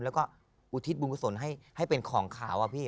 แล้วก็อุทิศบุญกุศลให้เป็นของขาวอะพี่